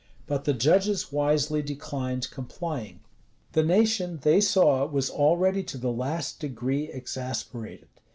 [] But the judges wisely declined complying. The nation, they saw, was already to the last degree exasperated.